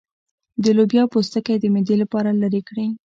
د لوبیا پوستکی د معدې لپاره لرې کړئ